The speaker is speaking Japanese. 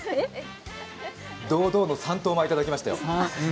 堂々の３等米いただきましたよ。